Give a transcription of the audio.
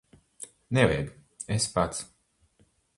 Nevajag. Es pats.